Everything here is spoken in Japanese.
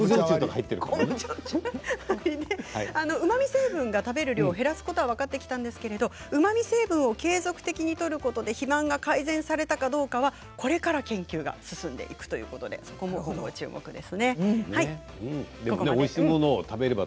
うまみ成分が食べる量を減らすことは分かっているんですが、うまみ成分を継続的にとることで肥満が解消されたかどうかこれから研究が進んでいくということです。